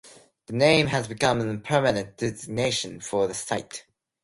The name has become a permanent designation for the site.